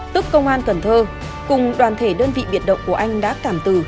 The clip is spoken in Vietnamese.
tức công an cần thơ cùng đoàn thể đơn vị biệt động của anh đã cảm từ